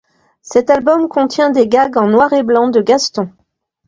Cet album contient des gags en noir et blanc de Gaston.